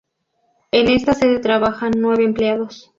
En esta sede trabajan nueve empleados.